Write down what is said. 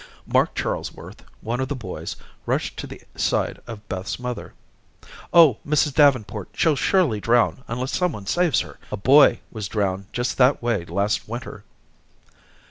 Mark Charlesworth, one of the boys, rushed to the side of Beth's mother. "Oh, Mrs. Davenport, she'll surely drown unless some one saves her. A boy was drowned just that way last winter."